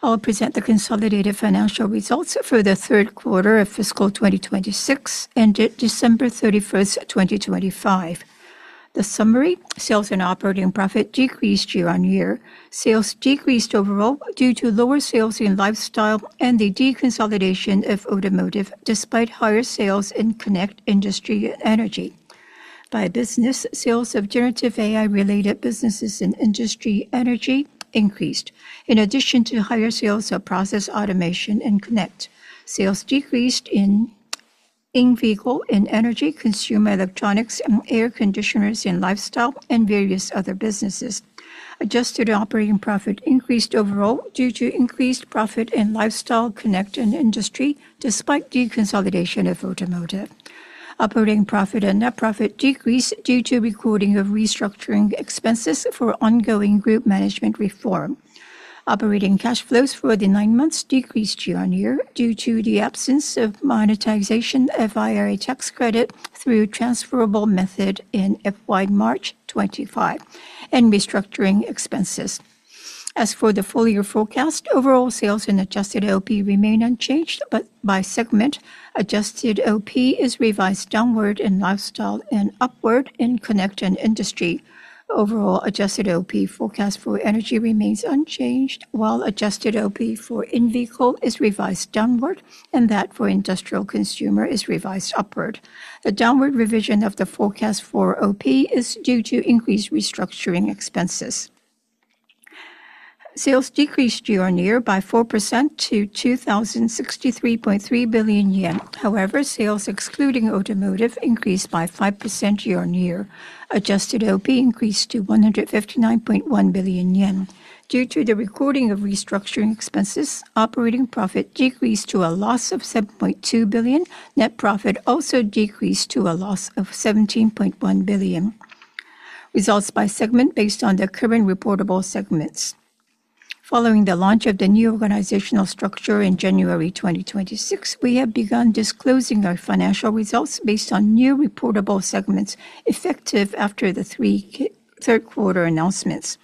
I will present the consolidated financial results for the third quarter of fiscal 2026 ended December 31, 2025. The summary: sales and operating profit decreased year-on-year. Sales decreased overall due to lower sales in lifestyle and the deconsolidation of automotive, despite higher sales in Connect, Industry, and Energy. By business, sales of generative AI-related businesses in Industry Energy increased, in addition to higher sales of process automation in Connect. Sales decreased in In-Vehicle, in Energy, Consumer Electronics, and air conditioners in Lifestyle, and various other businesses. Adjusted operating profit increased overall due to increased profit in Lifestyle, Connect, and Industry, despite deconsolidation of Automotive. Operating profit and net profit decreased due to recording of restructuring expenses for ongoing group management reform. Operating cash flows for the nine months decreased year-on-year due to the absence of monetization of IRA tax credit through transferable method in FY March 2025 and restructuring expenses. As for the full year forecast, overall sales and adjusted OP remain unchanged, but by segment, adjusted OP is revised downward in Lifestyle and upward in Connect and Industry. Overall, adjusted OP forecast for Energy remains unchanged, while adjusted OP for In-Vehicle is revised downward and that for Industrial Consumer is revised upward. The downward revision of the forecast for OP is due to increased restructuring expenses. Sales decreased year-on-year by 4% to 2,063.3 billion yen. However, sales excluding Automotive increased by 5% year-on-year. Adjusted OP increased to 159.1 billion yen. Due to the recording of restructuring expenses, Operating Profit decreased to a loss of 7.2 billion. Net Profit also decreased to a loss of 17.1 billion. Results by segment based on the current reportable segments. Following the launch of the new organizational structure in January 2026, we have begun disclosing our financial results based on new reportable segments, effective after the third quarter announcements.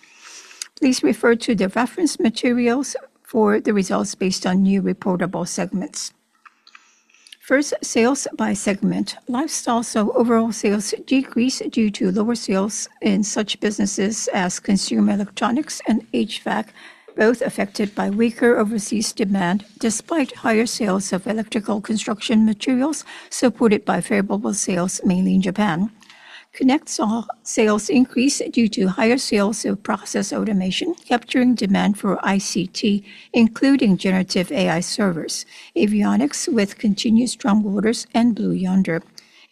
Please refer to the reference materials for the results based on new reportable segments. First, sales by segment. Lifestyle saw overall sales decrease due to lower sales in such businesses as consumer electronics and HVAC, both affected by weaker overseas demand, despite higher sales of electrical construction materials, supported by favorable sales, mainly in Japan. Connect saw sales increase due to higher sales of process automation, capturing demand for ICT, including generative AI servers, avionics with continuous strong orders, and Blue Yonder.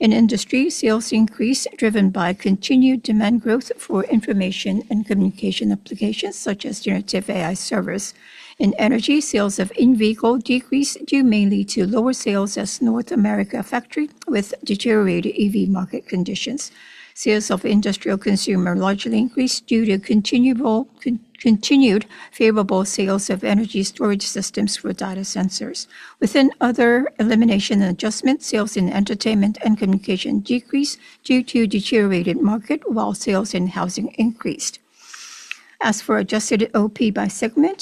In Industry, sales increased, driven by continued demand growth for information and communication applications, such as generative AI servers. In Energy, sales of In-Vehicle decreased due mainly to lower sales at North America factory with deteriorated EV market conditions. Sales of Industrial Consumer largely increased due to continued favorable sales of energy storage systems for data sensors. Within Other, elimination and adjustment, sales in entertainment and communication decreased due to deteriorated market, while sales in housing increased. As for adjusted OP by segment,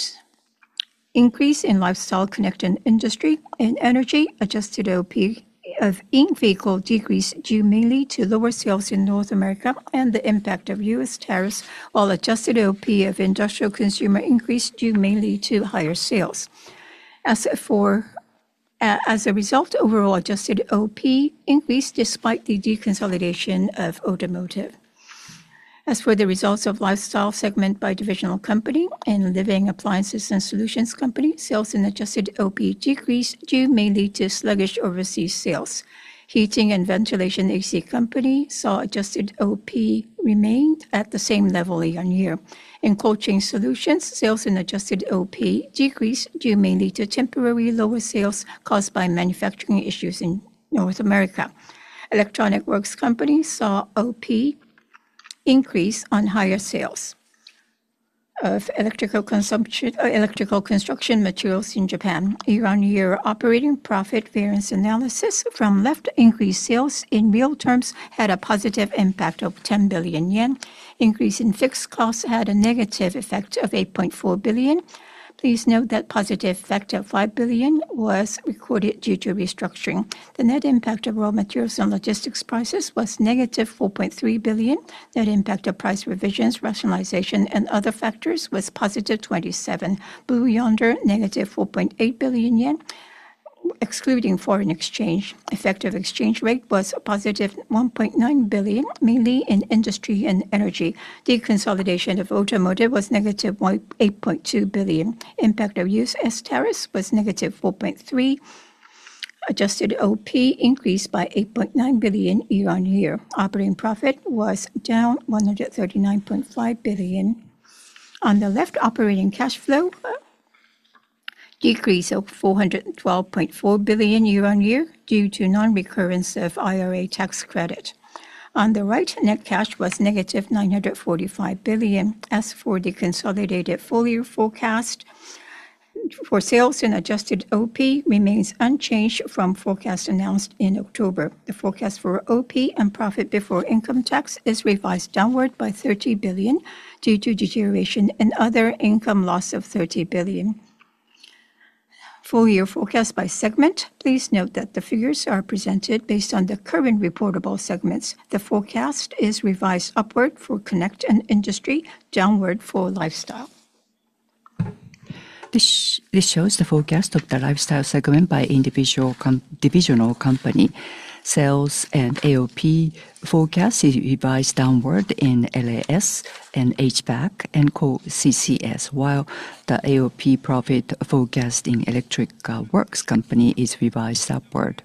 increase in Lifestyle, Connect, and Industry. In Energy, adjusted OP of In-Vehicle decreased due mainly to lower sales in North America and the impact of U.S. tariffs, while adjusted OP of Industrial Consumer increased due mainly to higher sales. As for, As a result, overall adjusted OP increased despite the deconsolidation of Automotive. As for the results of Lifestyle segment by divisional company and Living Appliances and Solutions Company, sales and adjusted OP decreased due mainly to sluggish overseas sales. Heating and Ventilation AC Company saw adjusted OP remained at the same level year-on-year. In Coaching Solutions, sales and adjusted OP decreased due mainly to temporary lower sales caused by manufacturing issues in North America. Electric Works Company saw OP increase on higher sales of electrical consumption - electrical construction materials in Japan year-on-year. Operating profit variance analysis. From left, increased sales in real terms had a positive impact of 10 billion yen. Increase in fixed costs had a negative effect of 8.4 billion. Please note that positive effect of 5 billion was recorded due to restructuring. The net impact of raw materials and logistics prices was -4.3 billion. Net impact of price revisions, rationalization, and other factors was +27 billion. Blue Yonder, -4.8 billion yen, excluding foreign exchange. Effective exchange rate was +1.9 billion, mainly in Industry and Energy. Deconsolidation of Automotive was -18.2 billion. Impact of US tariffs was -4.3 billion. Adjusted OP increased by 8.9 billion year-on-year. Operating profit was down 139.5 billion. On the left, operating cash flow decreased of 412.4 billion year-on-year due to non-recurrence of IRA tax credit. On the right, net cash was negative 945 billion. As for the consolidated full year forecast-... for sales and adjusted OP remains unchanged from forecast announced in October. The forecast for OP and profit before income tax is revised downward by 30 billion due to deterioration in other income loss of 30 billion. Full year forecast by segment. Please note that the figures are presented based on the current reportable segments. The forecast is revised upward for Connect and Industry, downward for Lifestyle. This shows the forecast of the Lifestyle segment by individual divisional company. Sales and AOP forecast is revised downward in LAS and HVAC and Co-CCS, while the AOP profit forecast in Electric Works Company is revised upward.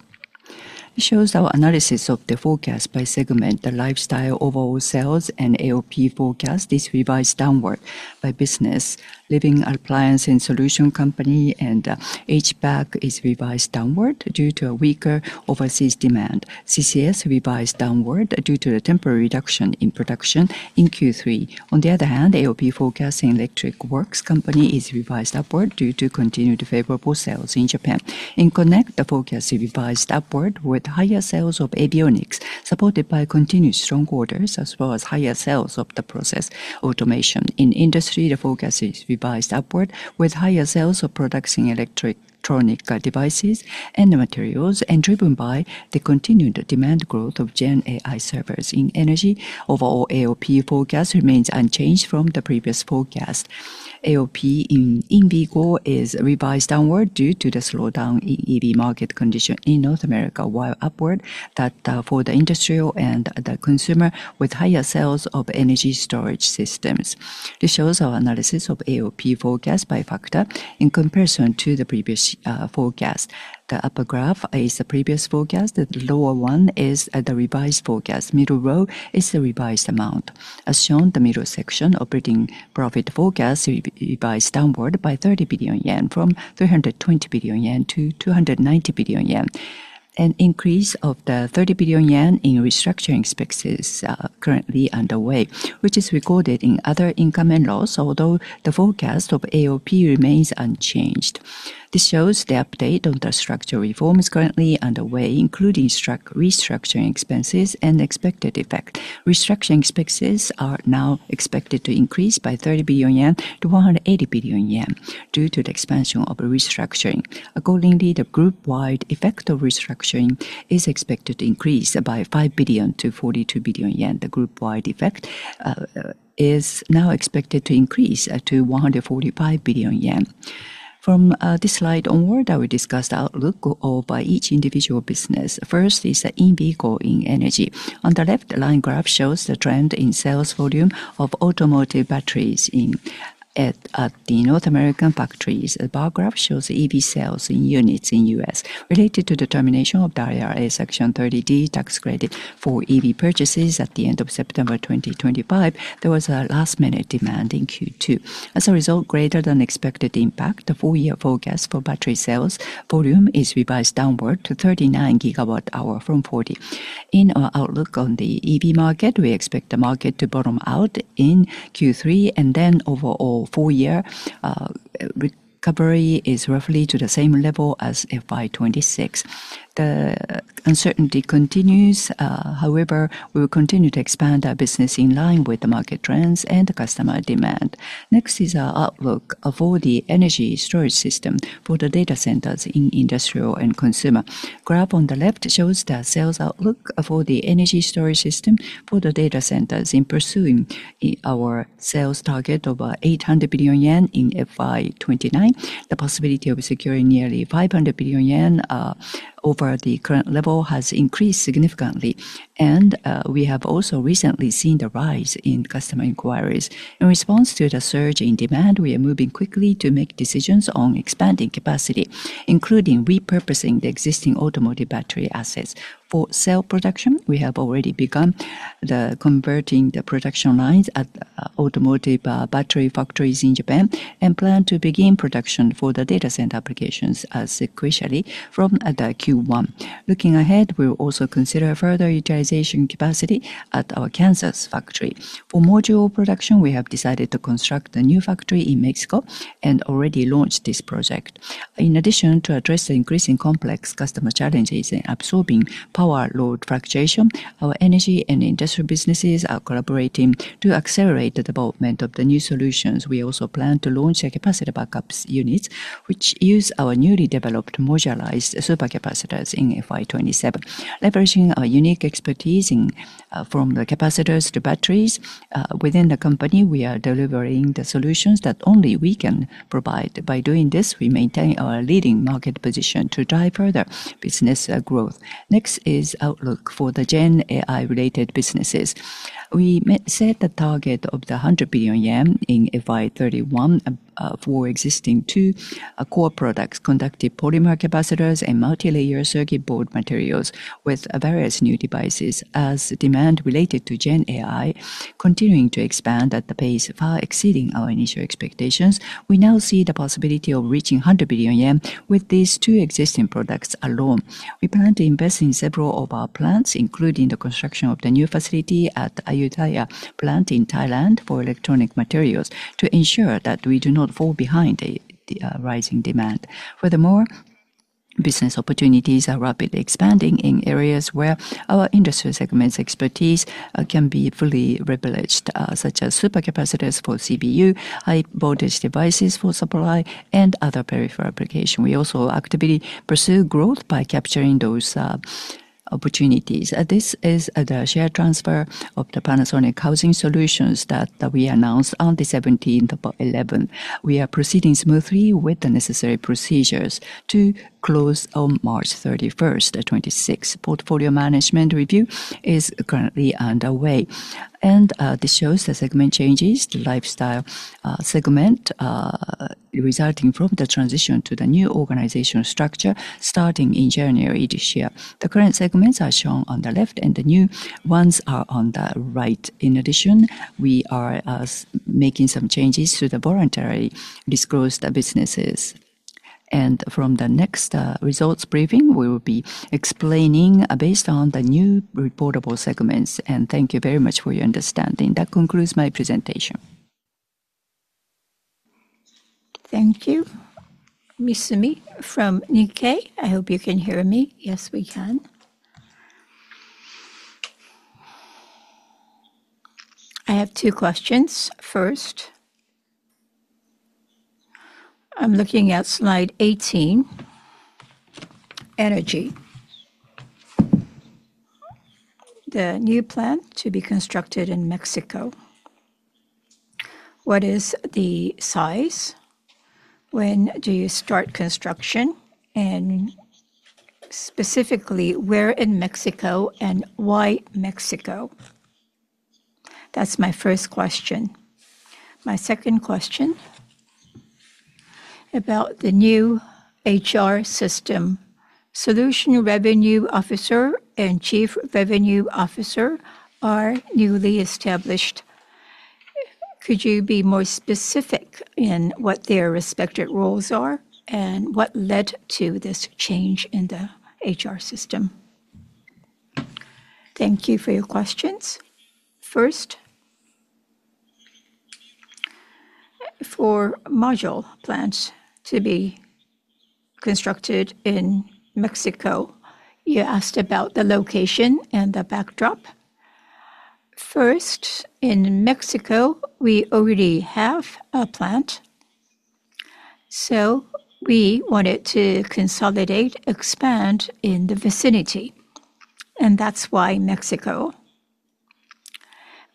It shows our analysis of the forecast by segment. The Lifestyle overall sales and AOP forecast is revised downward by business. Living Appliances and Solutions Company and HVAC is revised downward due to a weaker overseas demand. CCS revised downward due to the temporary reduction in production in Q3. On the other hand, AOP forecast in Electric Works Company is revised upward due to continued favorable sales in Japan. In Connect, the forecast is revised upward with higher sales of avionics, supported by continued strong orders, as well as higher sales of the process automation. In Industry, the forecast is revised upward with higher sales of products in electronic, devices and materials, and driven by the continued demand growth of Gen AI servers. In Energy, overall AOP forecast remains unchanged from the previous forecast. AOP in vehicle is revised downward due to the slowdown in EV market condition in North America, while upward that, for the industrial and the consumer, with higher sales of energy storage systems. This shows our analysis of AOP forecast by factor in comparison to the previous, forecast. The upper graph is the previous forecast. The lower one is the revised forecast. Middle row is the revised amount. As shown, the middle section, operating profit forecast revised downward by 30 billion yen, from 320 billion yen to 290 billion yen. An increase of the 30 billion yen in restructuring expenses currently underway, which is recorded in other income and loss, although the forecast of AOP remains unchanged. This shows the update on the structural reforms currently underway, including restructuring expenses and expected effect. Restructuring expenses are now expected to increase by 30 billion yen to 180 billion yen due to the expansion of the restructuring. Accordingly, the group-wide effect of restructuring is expected to increase by 5 billion to 42 billion yen. The group-wide effect is now expected to increase to 145 billion yen. From this slide onward, I will discuss the outlook of by each individual business. First is the in-vehicle in energy. On the left, the line graph shows the trend in sales volume of automotive batteries in the North American factories. The bar graph shows EV sales in units in the U.S. Related to the termination of the IRA Section 30D tax credit for EV purchases at the end of September 2025, there was a last-minute demand in Q2. As a result, greater than expected impact, the full year forecast for battery sales volume is revised downward to 39 GWh from 40. In our outlook on the EV market, we expect the market to bottom out in Q3, and then overall full year, recovery is roughly to the same level as FY 2026. The uncertainty continues, however, we will continue to expand our business in line with the market trends and the customer demand. Next is our outlook for the energy storage system for the data centers in industrial and consumer. Graph on the left shows the sales outlook for the energy storage system for the data centers. In pursuing our sales target of 800 billion yen in FY 2029, the possibility of securing nearly 500 billion yen over the current level has increased significantly. And, we have also recently seen the rise in customer inquiries. In response to the surge in demand, we are moving quickly to make decisions on expanding capacity, including repurposing the existing automotive battery assets. For cell production, we have already begun converting the production lines at automotive battery factories in Japan and plan to begin production for the data center applications sequentially from the Q1. Looking ahead, we'll also consider further utilization capacity at our Kansas factory. For module production, we have decided to construct a new factory in Mexico and already launched this project. In addition, to address the increasing complex customer challenges in absorbing power load fluctuation, our energy and industrial businesses are collaborating to accelerate the development of the new solutions. We also plan to launch the capacitor backups units, which use our newly developed modularized super capacitors in FY 2027. Leveraging our unique expertise in, from the capacitors to batteries, within the company, we are delivering the solutions that only we can provide. By doing this, we maintain our leading market position to drive further business, growth. Next is outlook for the Gen AI-related businesses. We set the target of 100 billion yen in FY 2031, for existing two, core products: conductive polymer capacitors and multilayer circuit board materials with, various new devices. As demand related to Gen AI continuing to expand at the pace far exceeding our initial expectations, we now see the possibility of reaching 100 billion yen with these two existing products alone. We plan to invest in several of our plants, including the construction of the new facility at Ayutthaya plant in Thailand for electronic materials, to ensure that we do not fall behind the rising demand. Furthermore...... Business opportunities are rapidly expanding in areas where our industry segment's expertise can be fully leveraged, such as super capacitors for CBU, high voltage devices for supply, and other peripheral application. We also actively pursue growth by capturing those opportunities. This is the share transfer of the Panasonic Housing Solutions that we announced on the 17th of November. We are proceeding smoothly with the necessary procedures to close on March 31st, 2026. Portfolio management review is currently underway. This shows the segment changes to lifestyle segment resulting from the transition to the new organizational structure starting in January this year. The current segments are shown on the left, and the new ones are on the right. In addition, we are making some changes to the voluntary disclosed businesses. From the next results briefing, we will be explaining based on the new reportable segments, and thank you very much for your understanding. That concludes my presentation. Thank you. Misumi from Nikkei. I hope you can hear me. Yes, we can. I have two questions. First, I'm looking at slide 18, energy. The new plant to be constructed in Mexico, what is the size? When do you start construction, and specifically, where in Mexico, and why Mexico? That's my first question. My second question, about the new HR system. Solution Revenue Officer and Chief Revenue Officer are newly established. Could you be more specific in what their respective roles are, and what led to this change in the HR system? Thank you for your questions. First, for module plant to be constructed in Mexico, you asked about the location and the backdrop. First, in Mexico, we already have a plant, so we wanted to consolidate, expand in the vicinity, and that's why Mexico.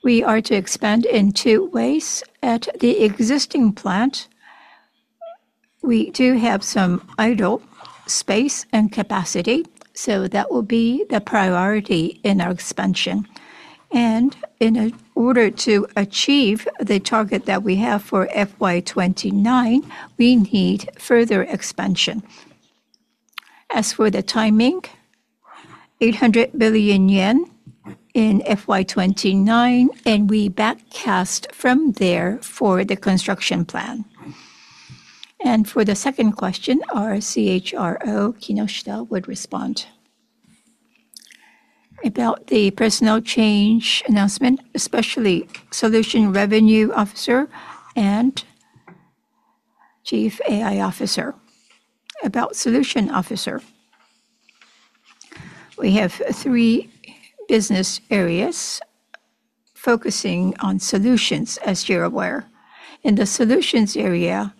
We are to expand in two ways. At the existing plant, we do have some idle space and capacity, so that will be the priority in our expansion. And in order to achieve the target that we have for FY 2029, we need further expansion. As for the timing, 800 billion yen in FY 2029, and we back cast from there for the construction plan. And for the second question, our CHRO, Kinoshita, would respond. About the personnel change announcement, especially Solution Revenue Officer and Chief AI Officer. About Solution Officer, we have three business areas focusing on solutions, as you're aware. In the solutions area,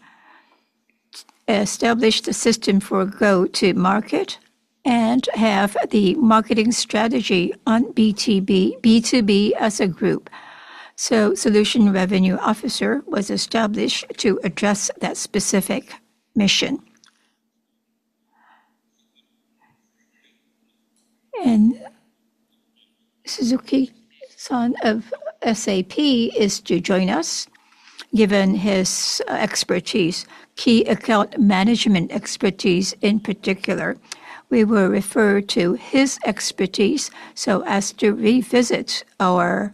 establish the system for go-to-market and have the marketing strategy on BTB-- B2B as a group. So Solution Revenue Officer was established to address that specific mission. And Suzuki-san of SAP is to join us, given his expertise, key account management expertise in particular. We will refer to his expertise so as to revisit our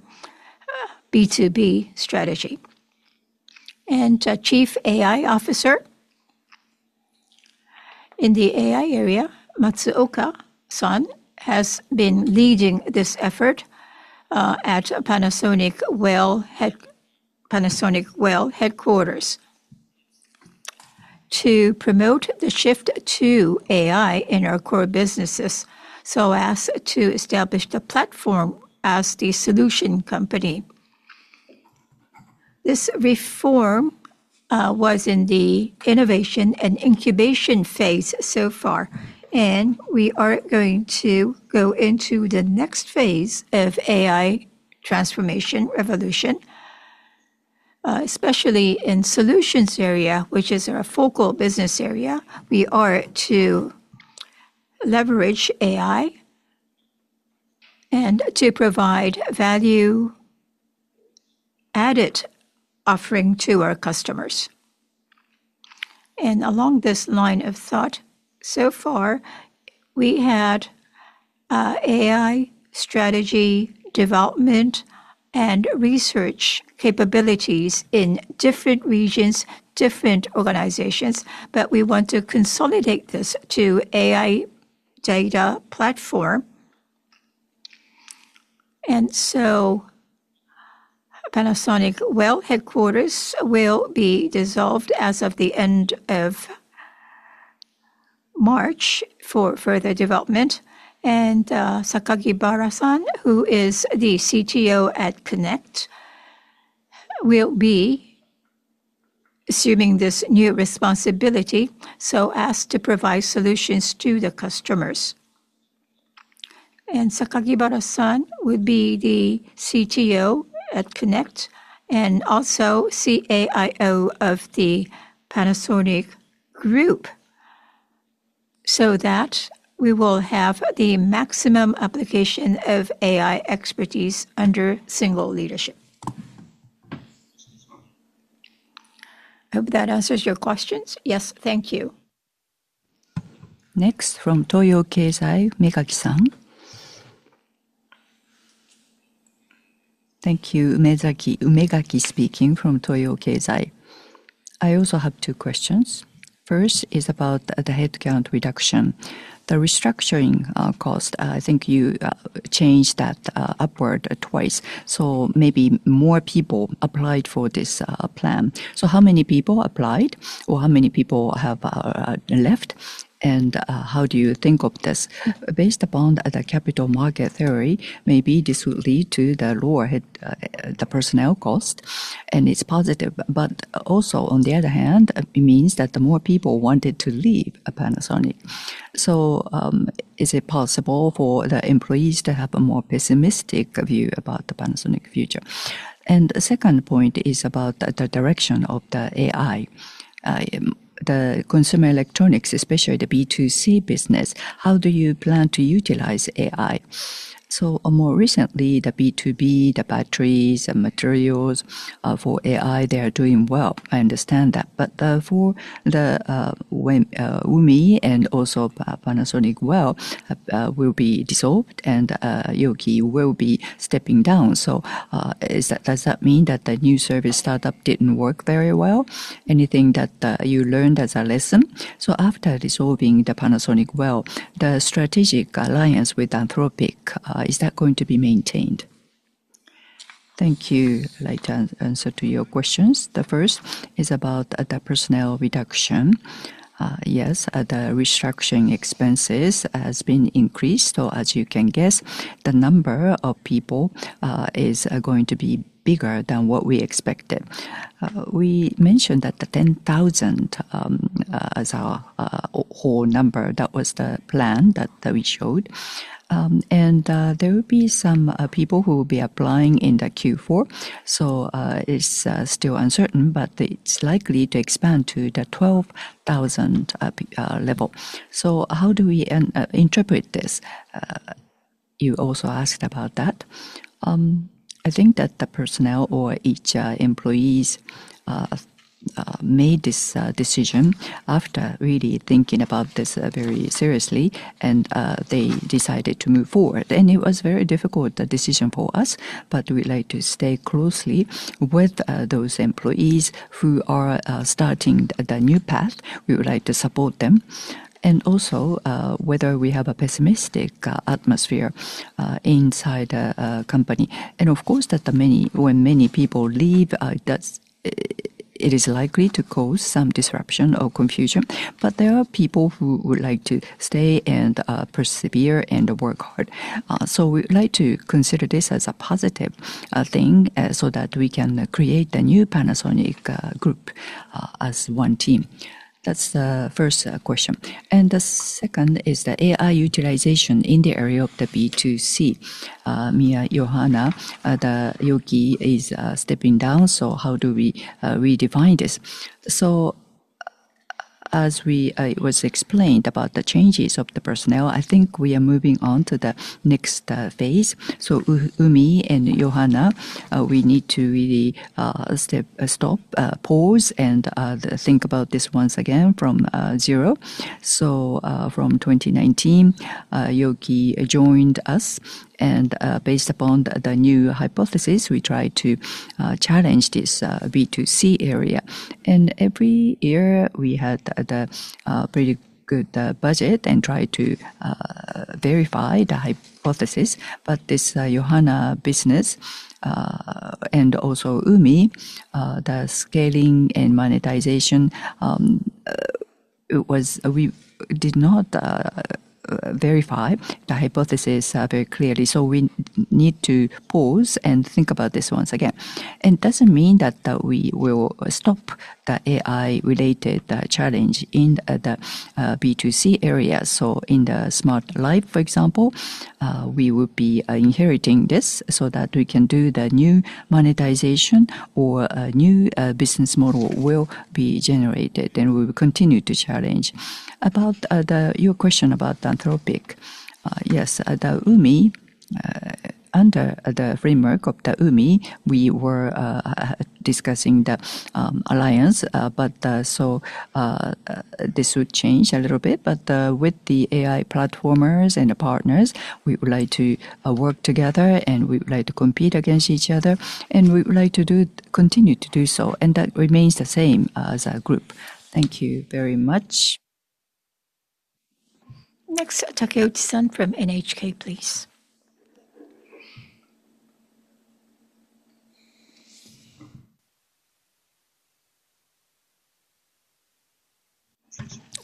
B2B strategy. And Chief AI Officer, in the AI area, Matsuoka-san has been leading this effort at Panasonic WELL Head-- Panasonic WELL Headquarters to promote the shift to AI in our core businesses, so as to establish the platform as the solution company. This reform was in the innovation and incubation phase so far, and we are going to go into the next phase of AI transformation, revolution. Especially in solutions area, which is our focal business area, we are to leverage AI and to provide value-added offering to our customers. And along this line of thought, so far, we had AI strategy, development, and research capabilities in different regions, different organizations, but we want to consolidate this to AI data platform. And so, Panasonic WELL Headquarters will be dissolved as of the end of March for further development. And, Sakakibara-san, who is the CTO at Connect, will be assuming this new responsibility, so as to provide solutions to the customers. Sakakibara-san will be the CTO at Connect and also CAIO of the Panasonic Group, so that we will have the maximum application of AI expertise under single leadership. I hope that answers your questions. Yes, thank you. Next, from Toyo Keizai, Umegaki-san. Thank you. Umegaki speaking from Toyo Keizai. I also have two questions. First is about the headcount reduction. The restructuring cost, I think you changed that upward twice, so maybe more people applied for this plan. So how many people applied, or how many people have left? And how do you think of this? Based upon the capital market theory, maybe this will lead to the lower head, the personnel cost, and it's positive. But also, on the other hand, it means that the more people wanted to leave Panasonic. So, is it possible for the employees to have a more pessimistic view about the Panasonic future? And the second point is about the direction of the AI. The consumer electronics, especially the B2C business, how do you plan to utilize AI? So more recently, the B2B, the batteries, the materials, for AI, they are doing well. I understand that. But, for the, when, Umi and also Panasonic WELL, will be dissolved, and, Yoky will be stepping down. So, is that-- does that mean that the new service startup didn't work very well? Anything that, you learned as a lesson? So after dissolving the Panasonic WELL, the strategic alliance with Anthropic, is that going to be maintained? Thank you. I'd like to answer to your questions. The first is about the personnel reduction. Yes, the restructuring expenses has been increased, or as you can guess, the number of people, is going to be bigger than what we expected. We mentioned that the 10,000, as our, whole number, that was the plan that, that we showed. There will be some people who will be applying in the Q4. It's still uncertain, but it's likely to expand to the 12,000 level. So how do we intend to interpret this? You also asked about that. I think that the personnel or each employees made this decision after really thinking about this very seriously, and they decided to move forward. It was very difficult, the decision for us, but we'd like to stay closely with those employees who are starting the new path. We would like to support them. And also, whether we have a pessimistic atmosphere inside the company. Of course, when many people leave, that's it is likely to cause some disruption or confusion, but there are people who would like to stay and persevere and work hard. So we'd like to consider this as a positive thing, so that we can create the new Panasonic group as one team. That's the first question. The second is the AI utilization in the area of the B2C. Yohana, the Yoky is stepping down, so how do we redefine this? So as we, it was explained about the changes of the personnel, I think we are moving on to the next phase. So Umi and Yohana, we need to really step, stop, pause, and think about this once again from zero. So, from 2019, Yoky joined us, and, based upon the new hypothesis, we tried to challenge this B2C area. And every year, we had the pretty good budget and tried to verify the hypothesis, but this Yohana business and also Umi, the scaling and monetization, it was-- we did not verify the hypothesis very clearly. So we need to pause and think about this once again. It doesn't mean that we will stop the AI-related challenge in the B2C area. So in the smart life, for example, we will be inheriting this so that we can do the new monetization or a new business model will be generated, and we will continue to challenge. About the... Your question about Anthropic. Yes, the UMI, under the framework of the UMI, we were discussing the alliance, but so this would change a little bit. But, with the AI platformers and the partners, we would like to work together, and we would like to compete against each other, and we would like to continue to do so, and that remains the same as a group. Thank you very much. Next, Takeuchi-san from NHK, please.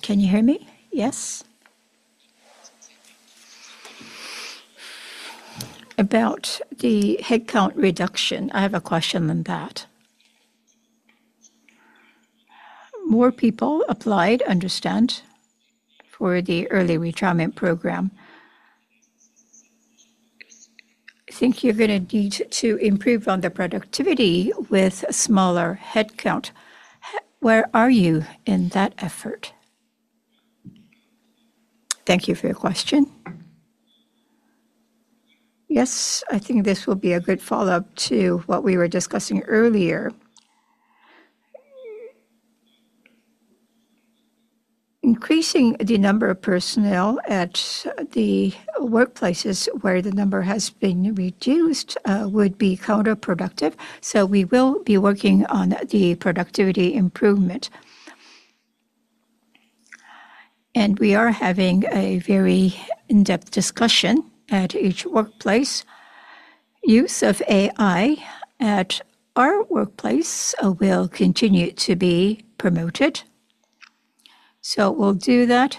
Can you hear me? Yes. About the headcount reduction, I have a question on that. More people applied, understand, for the early retirement program. I think you're gonna need to improve on the productivity with a smaller headcount. Where are you in that effort? Thank you for your question. Yes, I think this will be a good follow-up to what we were discussing earlier. Increasing the number of personnel at the workplaces where the number has been reduced would be counterproductive, so we will be working on the productivity improvement. We are having a very in-depth discussion at each workplace. Use of AI at our workplace will continue to be promoted. We'll do that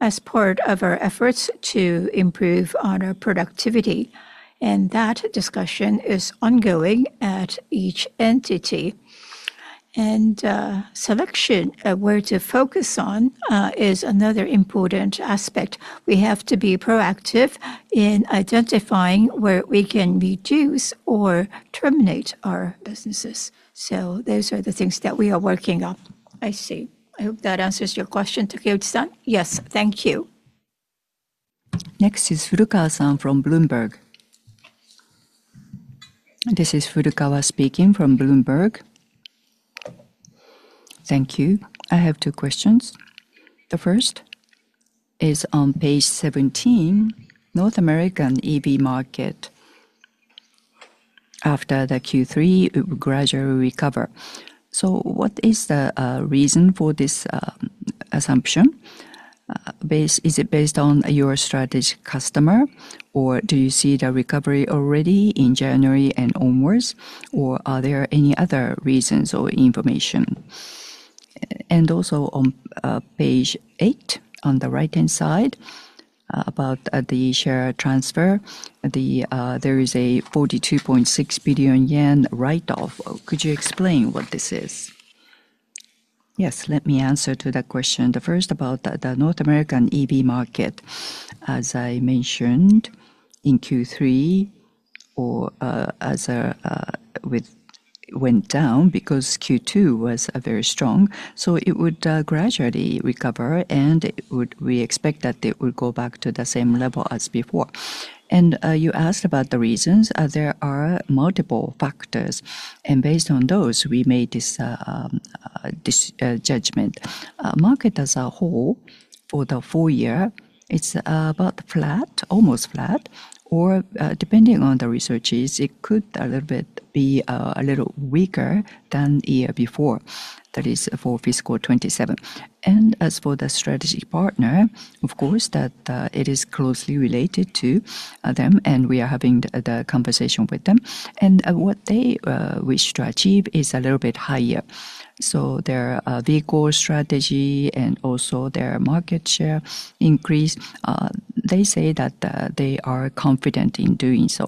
as part of our efforts to improve on our productivity, and that discussion is ongoing at each entity. Selection where to focus on is another important aspect. We have to be proactive in identifying where we can reduce or terminate our businesses. Those are the things that we are working on. I see. I hope that answers your question, Takeuchi-san. Yes. Thank you. Next is Furukawa-san from Bloomberg. This is Furukawa speaking from Bloomberg. Thank you. I have two questions. The first is on page 17, North American EV market. After the Q3, it will gradually recover. So what is the reason for this assumption? Is it based on your strategic customer, or do you see the recovery already in January and onwards, or are there any other reasons or information? And also on page 8, on the right-hand side, about the share transfer, the... There is a 42.6 billion yen write-off. Could you explain what this is? Yes, let me answer to that question. The first, about the North American EV market. As I mentioned, in Q3, went down because Q2 was very strong, so it would gradually recover, and it would—we expect that it will go back to the same level as before. And you asked about the reasons. There are multiple factors, and based on those, we made this judgment. Market as a whole for the full year, it's about flat, almost flat, depending on the researches, it could a little bit be a little weaker than the year before. That is for fiscal 2027. And as for the strategic partner, of course, that it is closely related to them, and we are having the conversation with them. And what they wish to achieve is a little bit higher. So their vehicle strategy and also their market share increase, they say that they are confident in doing so.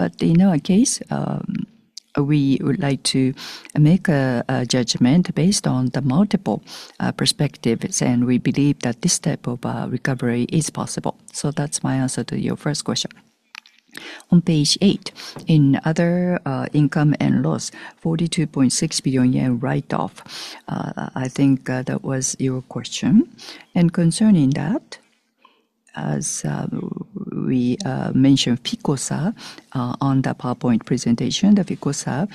But in our case, we would like to make a judgment based on the multiple perspectives, and we believe that this type of recovery is possible. So that's my answer to your first question. On page 8, in other income and loss, 42.6 billion yen write-off. I think that was your question. And concerning that, as we mentioned Ficosa on the PowerPoint presentation, the Ficosa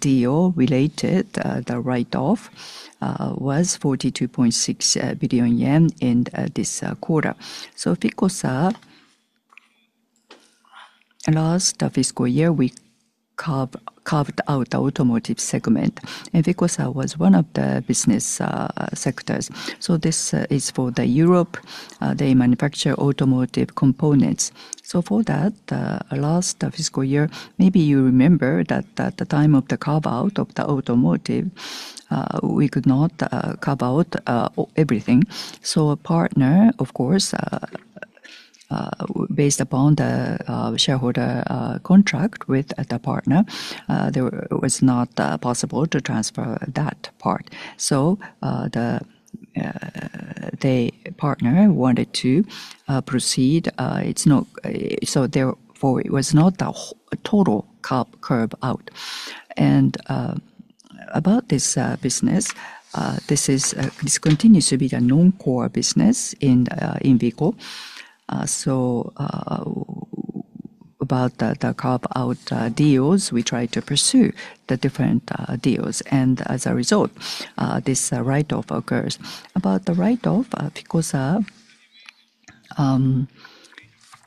deal related the write-off was 42.6 billion yen in this quarter. So Ficosa. In last fiscal year, we carved out our automotive segment, and Ficosa was one of the business sectors. So this is for Europe. They manufacture automotive components. So for that, last fiscal year, maybe you remember that at the time of the carve-out of the automotive, we could not carve out everything. So a partner, of course, based upon the shareholder contract with the partner, there was not possible to transfer that part. So, the partner wanted to proceed. It's not... So therefore, it was not a total carve out. And, about this business, this continues to be a non-core business in Ficosa. So, about the carve-out deals, we try to pursue the different deals, and as a result, this write-off occurs. About the write-off of Ficosa.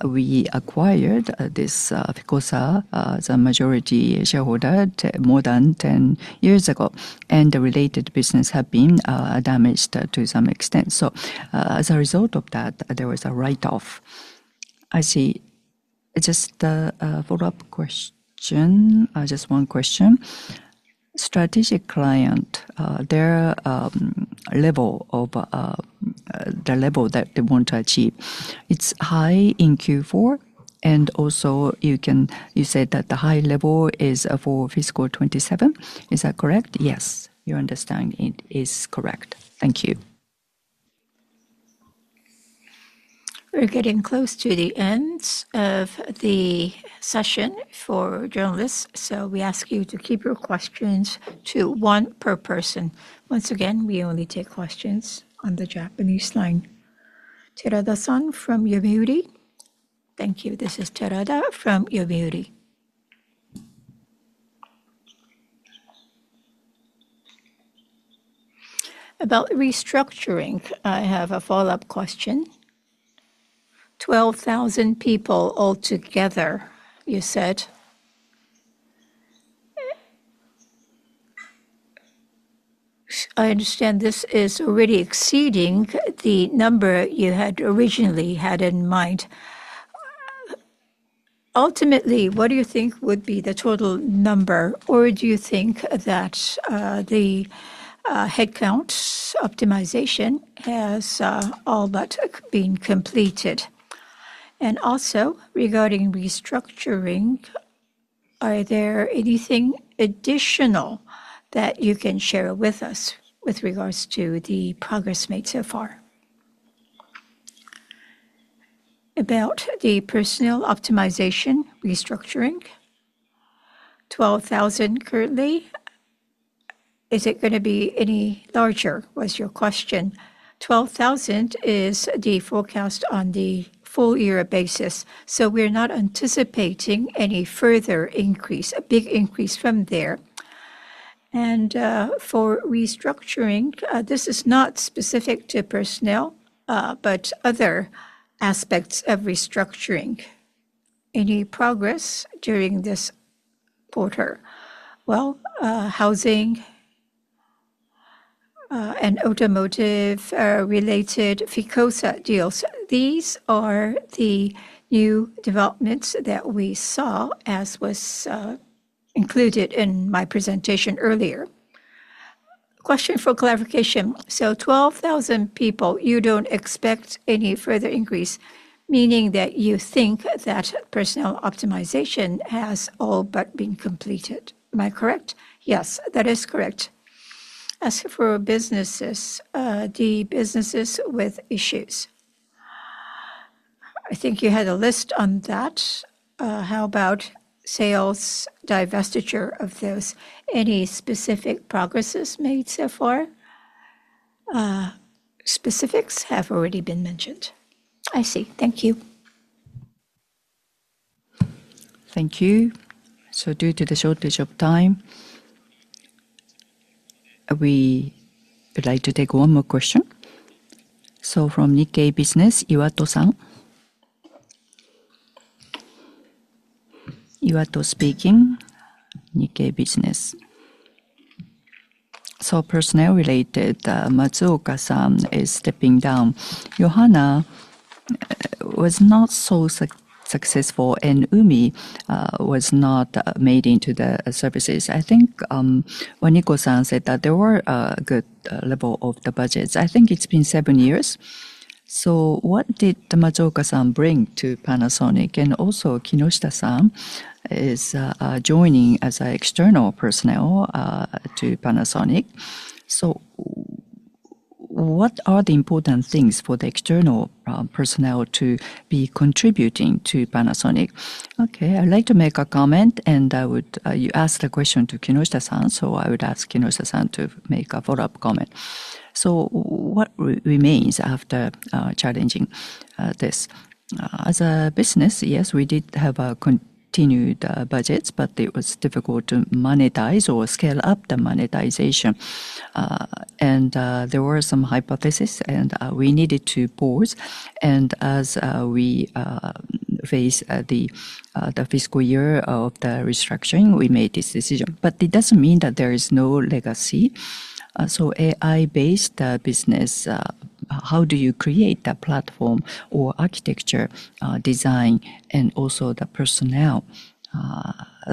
We acquired this Ficosa, the majority shareholder, more than 10 years ago, and the related business have been damaged to some extent. So, as a result of that, there was a write-off. I see. Just a follow-up question, just one question. Strategic client, their level of, the level that they want to achieve, it's high in Q4, and also you said that the high level is for fiscal 2027. Is that correct? Yes, your understanding, it is correct. Thank you. We're getting close to the end of the session for journalists, so we ask you to keep your questions to one per person. Once again, we only take questions on the Japanese line. Terada-san from Yomiuri? Thank you. This is Terada from Yomiuri. About restructuring, I have a follow-up question. 12,000 people altogether, you said. I understand this is already exceeding the number you had originally had in mind. Ultimately, what do you think would be the total number, or do you think that the headcount optimization has all but been completed? And also, regarding restructuring, are there anything additional that you can share with us with regards to the progress made so far? About the personnel optimization restructuring, 12,000 currently, is it gonna be any larger, was your question. 12,000 is the forecast on the full year basis, so we're not anticipating any further increase, a big increase from there. And, for restructuring, this is not specific to personnel, but other aspects of restructuring. Any progress during this quarter? Well, housing and automotive related Ficosa deals, these are the new developments that we saw as was included in my presentation earlier. Question for clarification: so 12,000 people, you don't expect any further increase, meaning that you think that personnel optimization has all but been completed? Am I correct? Yes, that is correct. As for businesses, the businesses with issues, I think you had a list on that. How about sales, divestiture of those, any specific progresses made so far? Specifics have already been mentioned. I see. Thank you. Thank you. So due to the shortage of time, we would like to take one more question. So from Nikkei Business, Iwato-san. Iwato speaking, Nikkei Business. So personnel related, Matsuoka-san is stepping down. Yohana was not so successful, and Umi was not made into the services. I think, when Nico-san said that there were a good level of the budgets, I think it's been seven years. So what did Matsuoka-san bring to Panasonic? And also, Kinoshita-san is joining as an external personnel to Panasonic. So what are the important things for the external personnel to be contributing to Panasonic? Okay, I'd like to make a comment, and I would. You asked a question to Kinoshita-san, so I would ask Kinoshita-san to make a follow-up comment. So what remains after challenging this? As a business, yes, we did have continued budgets, but it was difficult to monetize or scale up the monetization. There were some hypotheses, and we needed to pause. As we face the fiscal year of the restructuring, we made this decision. But it doesn't mean that there is no legacy. So AI-based business, how do you create the platform or architecture, design, and also the personnel?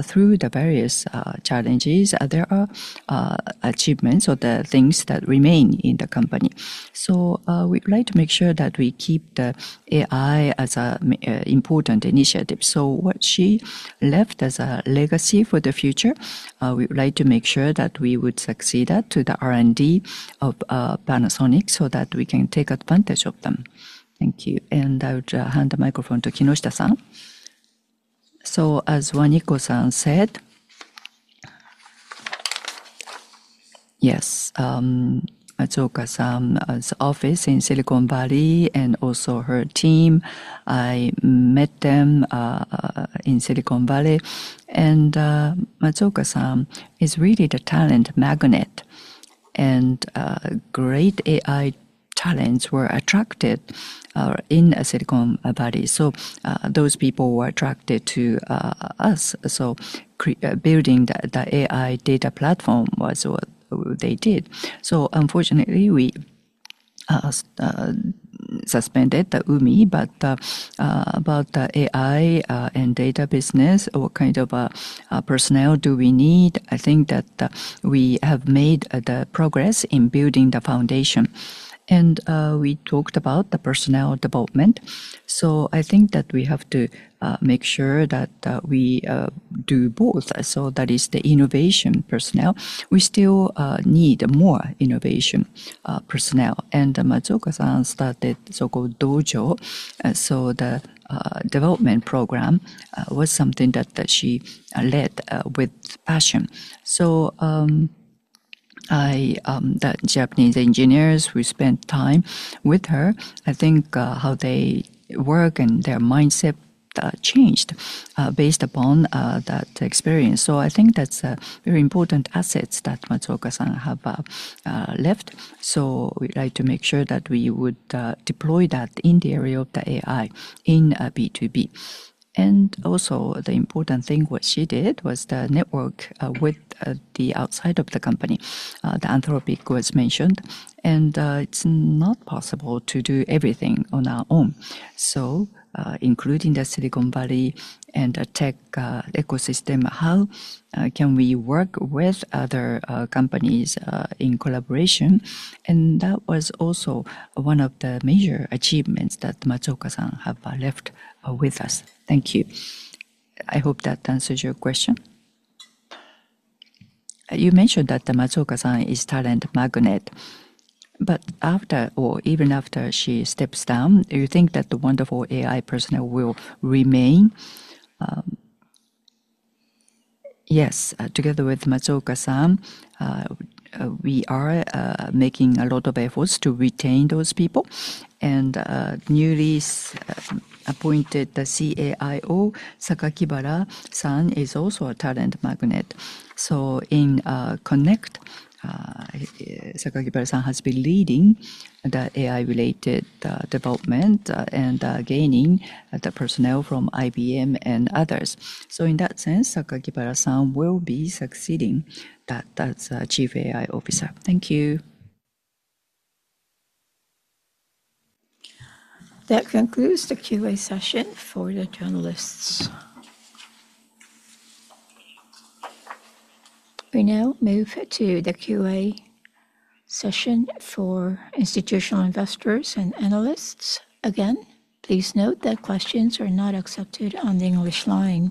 Through the various challenges, there are achievements or the things that remain in the company. So, we'd like to make sure that we keep the AI as an important initiative. So what she left as a legacy for the future, we would like to make sure that we would succeed that to the R&D of Panasonic so that we can take advantage of them. Thank you. I would hand the microphone to Kinoshita-san. So as Waniko-san said... Yes, Matsuoka-san's office in Silicon Valley and also her team, I met them in Silicon Valley, and Matsuoka-san is really the talent magnet... and great AI talents were attracted in Silicon Valley. So those people were attracted to us. So building the AI data platform was what they did. So unfortunately, we suspended the Umi, but about the AI and data business, what kind of personnel do we need? I think that we have made the progress in building the foundation. And we talked about the personnel development. So I think that we have to make sure that we do both. So that is the innovation personnel. We still need more innovation personnel. And Matsuoka-san started so-called Dojo. So the development program was something that she led with passion. So, the Japanese engineers, we spent time with her, I think, how they work and their mindset changed based upon that experience. So I think that's very important assets that Matsuoka-san have left. So we'd like to make sure that we would deploy that in the area of the AI in B2B. And also, the important thing, what she did was the network with the outside of the company. The Anthropic was mentioned, and it's not possible to do everything on our own. So, including the Silicon Valley and the tech ecosystem, how can we work with other companies in collaboration? That was also one of the major achievements that Matsuoka-san have left with us. Thank you. I hope that answers your question. You mentioned that the Matsuoka-san is talent magnet, but after or even after she steps down, do you think that the wonderful AI personnel will remain? Yes, together with Matsuoka-san, we are making a lot of efforts to retain those people. And newly appointed the CAIO, Sakakibara-san, is also a talent magnet. So in Connect, Sakakibara-san has been leading the AI-related development and gaining the personnel from IBM and others. So in that sense, Sakakibara-san will be succeeding that. That's Chief AI Officer. Thank you. That concludes the QA session for the journalists. We now move to the QA session for institutional investors and analysts. Again, please note that questions are not accepted on the English line.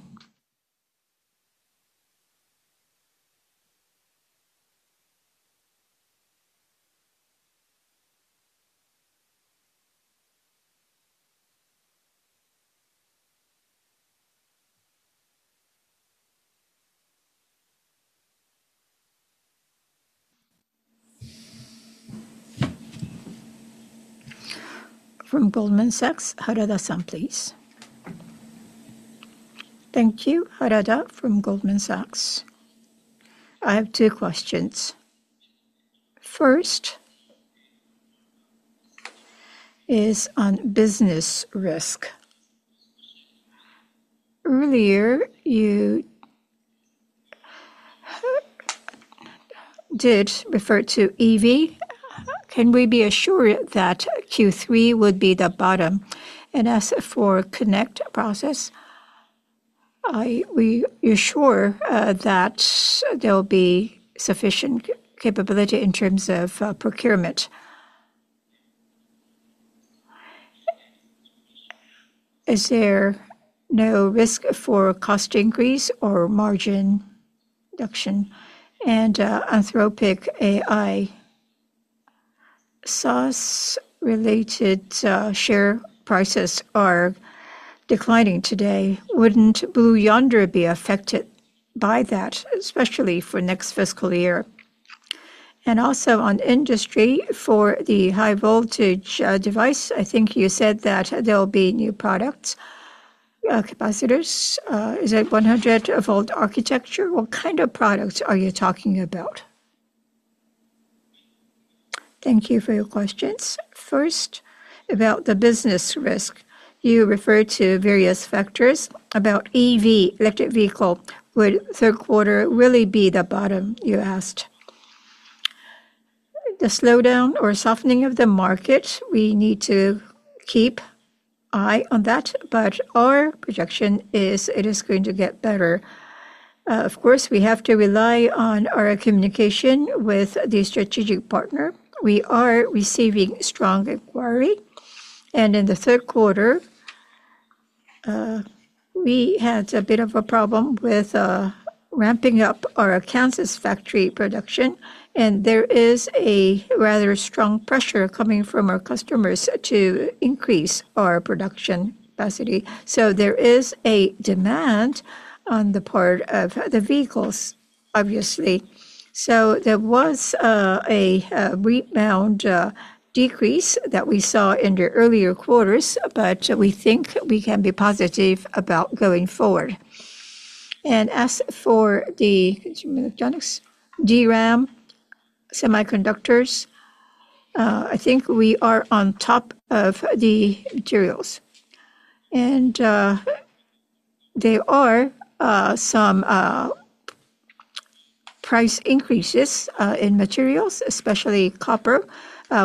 From Goldman Sachs, Harada-san, please. Thank you. Harada from Goldman Sachs. I have two questions. First is on business risk. Earlier, you did refer to EV. Can we be assured that Q3 would be the bottom? And as for Connect process, are we assured that there will be sufficient capability in terms of procurement? Is there no risk for cost increase or margin reduction? And Anthropic AI, SaaS related, share prices are declining today. Wouldn't Blue Yonder be affected by that, especially for next fiscal year? And also on industry, for the high voltage device, I think you said that there'll be new products, capacitors. Is it 100-volt architecture? What kind of products are you talking about? Thank you for your questions. First, about the business risk. You referred to various factors about EV, electric vehicle. "Would third quarter really be the bottom?" You asked. The slowdown or softening of the market, we need to keep eye on that, but our projection is it is going to get better. Of course, we have to rely on our communication with the strategic partner. We are receiving strong inquiry, and in the third quarter, we had a bit of a problem with ramping up our Kansas factory production, and there is a rather strong pressure coming from our customers to increase our production capacity. So there is a demand on the part of the vehicles, obviously. So there was a rebound decrease that we saw in the earlier quarters, but we think we can be positive about going forward.... And as for the consumer electronics, DRAM, semiconductors, I think we are on top of the materials. There are some price increases in materials, especially copper.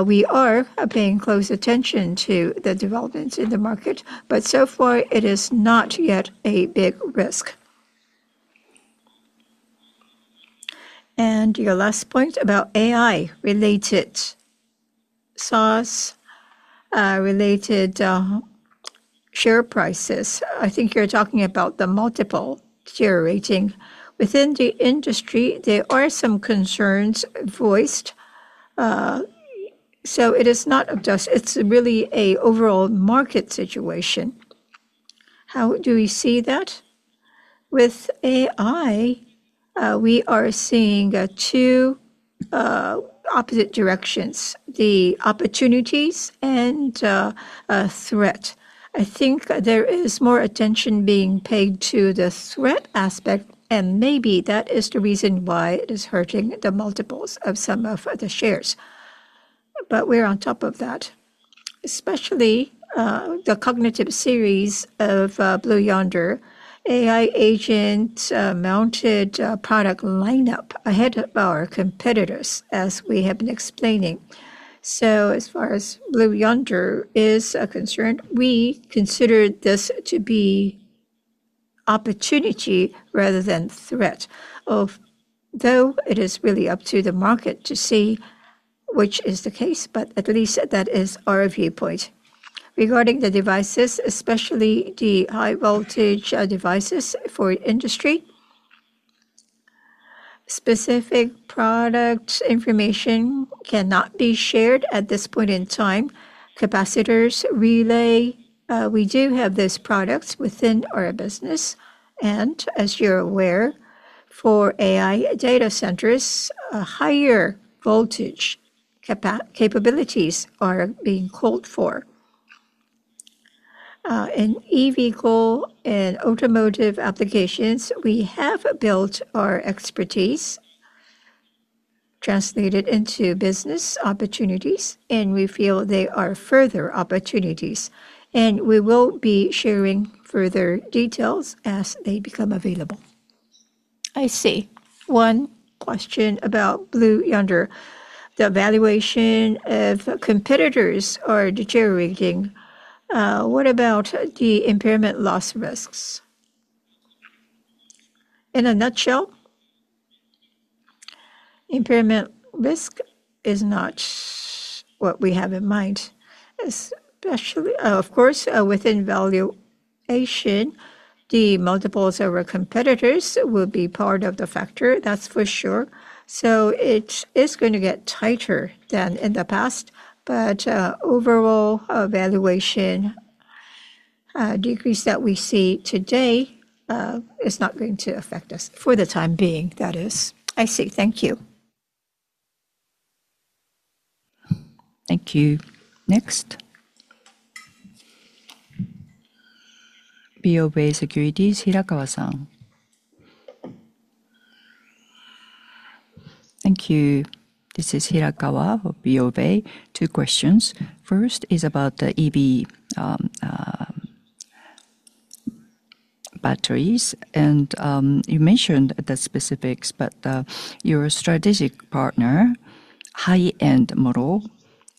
We are paying close attention to the developments in the market, but so far it is not yet a big risk. Your last point about AI-related SaaS related share prices. I think you're talking about the multiple share rating. Within the industry, there are some concerns voiced, so it is not just-- it's really a overall market situation. How do we see that? With AI, we are seeing two opposite directions: the opportunities and a threat. I think there is more attention being paid to the threat aspect, and maybe that is the reason why it is hurting the multiples of some of the shares. But we're on top of that, especially the Cognitive series of Blue Yonder AI agent mounted product lineup ahead of our competitors, as we have been explaining. So as far as Blue Yonder is concerned, we consider this to be opportunity rather than threat, though it is really up to the market to see which is the case, but at least that is our viewpoint. Regarding the devices, especially the high voltage devices for industry, specific product information cannot be shared at this point in time. Capacitors, relay, we do have these products within our business, and as you're aware, for AI data centers, a higher voltage capabilities are being called for. In EV goal and automotive applications, we have built our expertise, translated into business opportunities, and we feel there are further opportunities, and we will be sharing further details as they become available. I see. One question about Blue Yonder. The valuation of competitors are deteriorating. What about the impairment loss risks? In a nutshell, impairment risk is not what we have in mind, especially. Of course, within valuation, the multiples of our competitors will be part of the factor, that's for sure. So it is going to get tighter than in the past, but, overall valuation, decrease that we see today, is not going to affect us, for the time being, that is. I see. Thank you. Thank you. Next, BofA Securities, Hirakawa-san. Thank you. This is Hirakawa of BofA. Two questions. First is about the EV batteries, and you mentioned the specifics, but your strategic partner, high-end model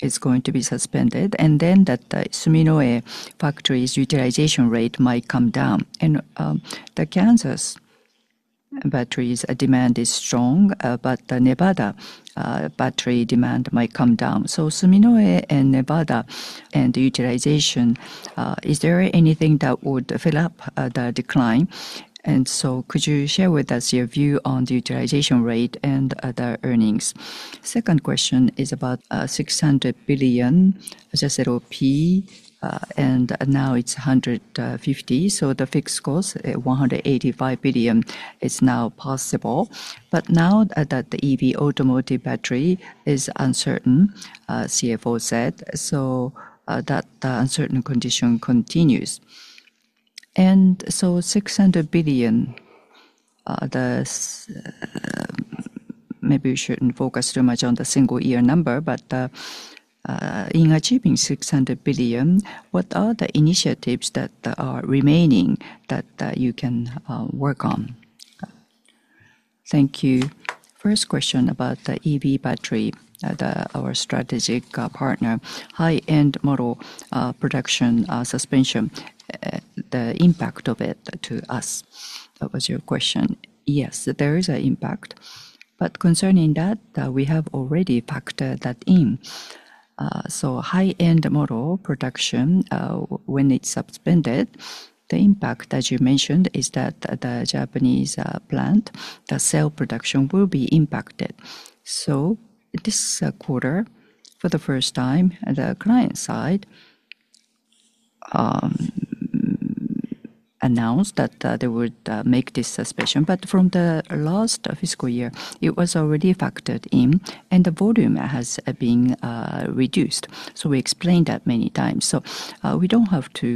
is going to be suspended, and then that Suminoe factory's utilization rate might come down. The Kansas batteries demand is strong, but the Nevada battery demand might come down. So Suminoe and Nevada and the utilization, is there anything that would fill up the decline? And so could you share with us your view on the utilization rate and the earnings? Second question is about 600 billion as I said, OP, and now it's 150, so the fixed cost 185 billion is now possible. But now that the EV automotive battery is uncertain, CFO said, so, that the uncertain condition continues. And so JPY 600 billion, the... Maybe we shouldn't focus too much on the single year number, but, in achieving 600 billion, what are the initiatives that are remaining that you can work on? Thank you. First question about the EV battery, the, our strategic partner, high-end model production suspension, the impact of it to us. That was your question? Yes, there is an impact, but concerning that, we have already factored that in. So high-end model production, when it's suspended, the impact, as you mentioned, is that the Japanese plant, the cell production will be impacted. So this quarter, for the first time, at the client side, announced that, they would, make this suspension. But from the last fiscal year, it was already factored in, and the volume has been, reduced. So we explained that many times. So, we don't have to,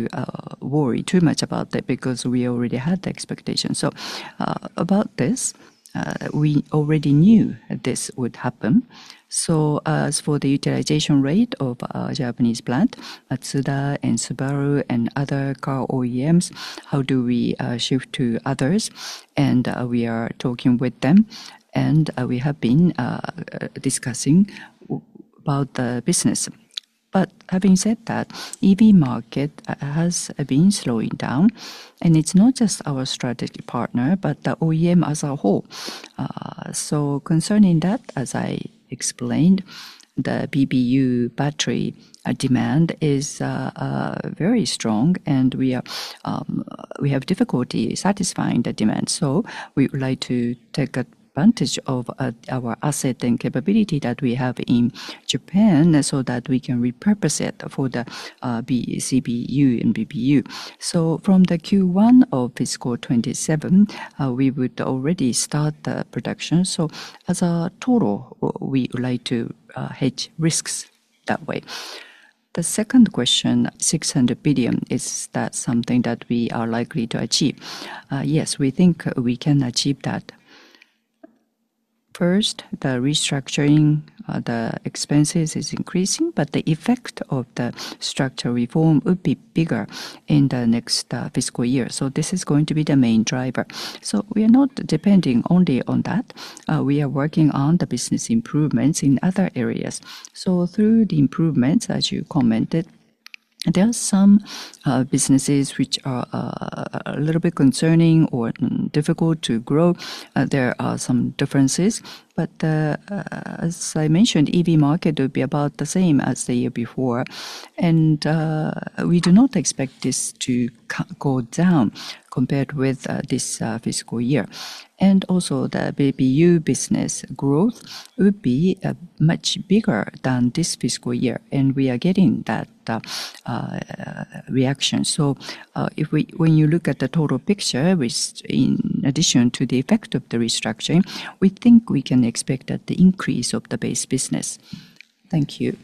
worry too much about that because we already had the expectation. So, about this, we already knew that this would happen. So as for the utilization rate of our Japanese plant, Mazda and Subaru, and other car OEMs, how do we, shift to others? And, we are talking with them, and, we have been, discussing about the business. But having said that, EV market has been slowing down, and it's not just our strategy partner, but the OEM as a whole. So concerning that, as I explained, the PBU battery, demand is, very strong, and we are... We have difficulty satisfying the demand. So we would like to take advantage of our asset and capability that we have in Japan, so that we can repurpose it for the BCBU and PBU. So from the Q1 of fiscal 2027, we would already start the production. So as a total, we would like to hedge risks that way. The second question, 600 billion, is that something that we are likely to achieve? Yes, we think we can achieve that. First, the restructuring, the expenses is increasing, but the effect of the structural reform would be bigger in the next fiscal year. So this is going to be the main driver. So we are not depending only on that. We are working on the business improvements in other areas. Through the improvements, as you commented, there are some businesses which are a little bit concerning or difficult to grow. There are some differences, but as I mentioned, EV market will be about the same as the year before. We do not expect this to go down compared with this fiscal year. Also, the PBU business growth would be much bigger than this fiscal year, and we are getting that reaction. So, when you look at the total picture, which in addition to the effect of the restructuring, we think we can expect that the increase of the base business. Thank you.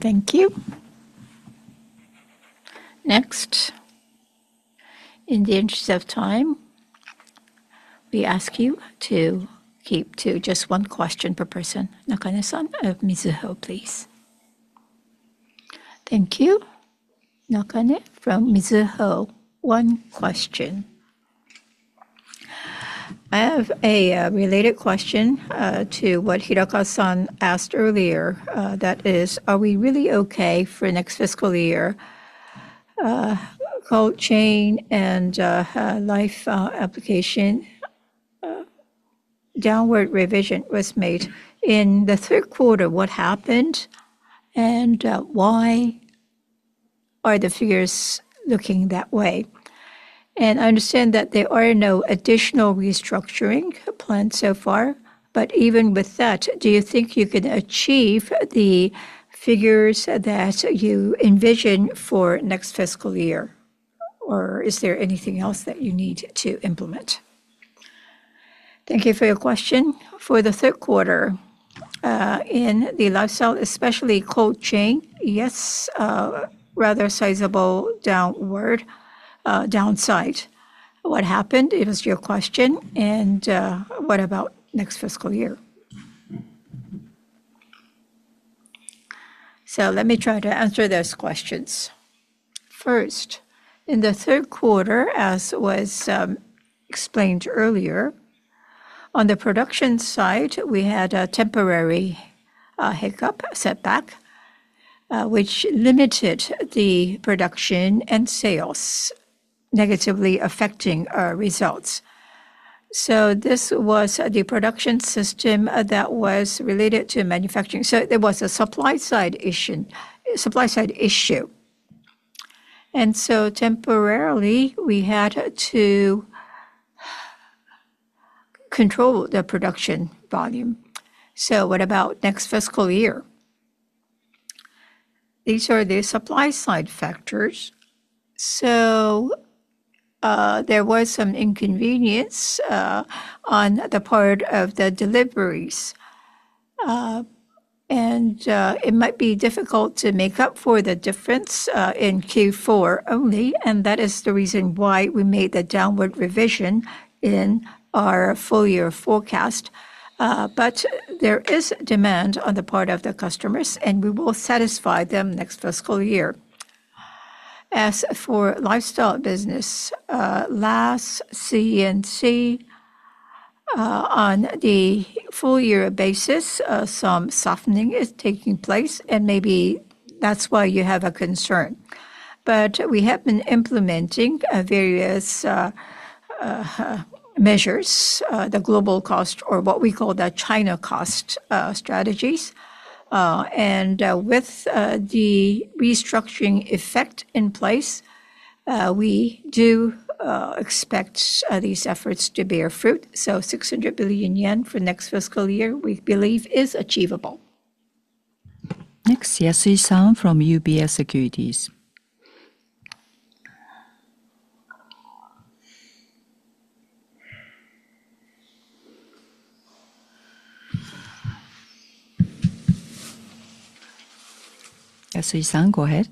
Thank you. Next, in the interest of time, we ask you to keep to just one question per person. Nakane-san of Mizuho, please. Thank you. Nakane from Mizuho. One question. I have a related question to what Hirakawa-san asked earlier. That is, are we really okay for next fiscal year? Cold chain and life application downward revision was made. In the third quarter, what happened, and why are the figures looking that way? And I understand that there are no additional restructuring planned so far, but even with that, do you think you can achieve the figures that you envision for next fiscal year, or is there anything else that you need to implement? Thank you for your question. For the third quarter, in the lifestyle, especially cold chain, yes, rather sizable downward downside. What happened? It was your question, and what about next fiscal year? So let me try to answer those questions. First, in the third quarter, as was explained earlier, on the production side, we had a temporary hiccup, a setback, which limited the production and sales, negatively affecting our results. This was the production system that was related to manufacturing. There was a supply side issue, supply side issue. And so temporarily, we had to control the production volume. What about next fiscal year? These are the supply side factors. There was some inconvenience on the part of the deliveries. And it might be difficult to make up for the difference in Q4 only, and that is the reason why we made the downward revision in our full year forecast. But there is demand on the part of the customers, and we will satisfy them next fiscal year. As for lifestyle business, last C&C on the full year basis, some softening is taking place, and maybe that's why you have a concern. But we have been implementing various measures, the global cost or what we call the China cost strategies. And with the restructuring effect in place-... we do expect these efforts to bear fruit. So 600 billion yen for next fiscal year, we believe is achievable. Next, Yasui-san from UBS Securities. Yasui-san, go ahead.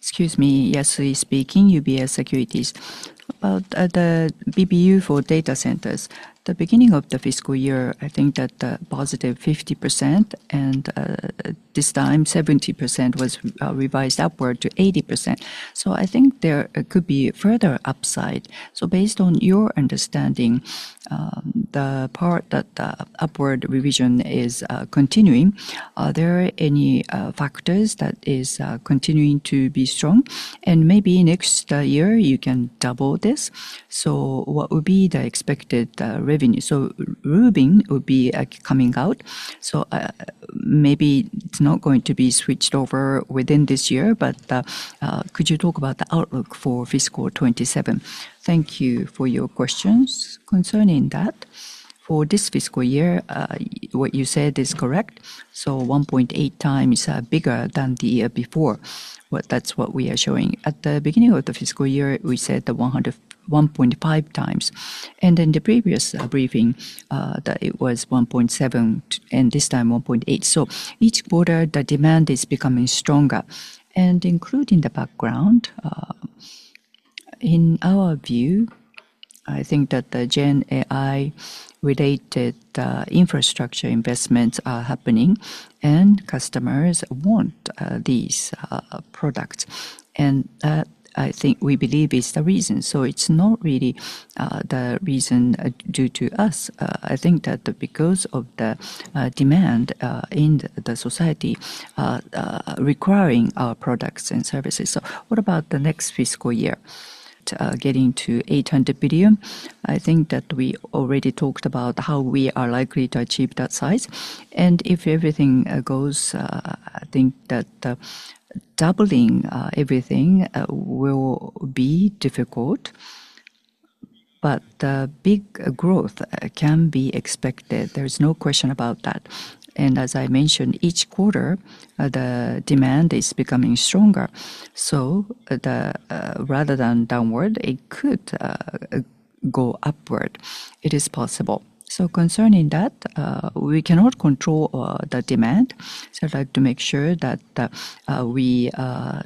Excuse me, Yasui speaking, UBS Securities. About the BBU for data centers, the beginning of the fiscal year, I think that the positive 50% and this time 70% was revised upward to 80%. So I think there could be further upside. So based on your understanding, the part that the upward revision is continuing, are there any factors that is continuing to be strong? And maybe next year you can double this. So what would be the expected revenue? So Rubin would be coming out, so maybe it's not going to be switched over within this year, but could you talk about the outlook for fiscal 2027? Thank you for your questions concerning that. For this fiscal year, what you said is correct, so 1.8 times bigger than the year before. Well, that's what we are showing. At the beginning of the fiscal year, we said one point five times, and in the previous briefing, that it was 1.7, and this time, 1.8. So each quarter the demand is becoming stronger. And including the background, in our view, I think that the Gen AI related infrastructure investments are happening, and customers want these products. And I think we believe it's the reason. So it's not really the reason due to us. I think that because of the demand in the society requiring our products and services. So what about the next fiscal year to getting to 800 billion? I think that we already talked about how we are likely to achieve that size, and if everything goes, I think that doubling everything will be difficult. But big growth can be expected. There's no question about that. And as I mentioned, each quarter the demand is becoming stronger, so the rather than downward, it could go upward. It is possible. So concerning that, we cannot control the demand, so I'd like to make sure that we